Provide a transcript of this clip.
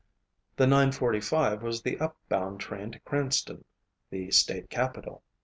The nine forty five was the upbound train to Cranston, the state capital.